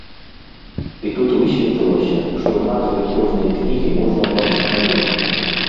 І тут высветлілася, што ў назве кожнай кнігі можна ўбачыць намёк.